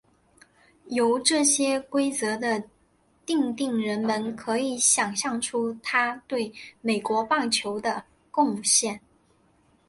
由这些规则的订定人们可以想像出他对美国棒球的贡献。